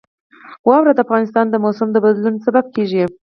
واوره د افغانستان د موسم د بدلون سبب کېږي.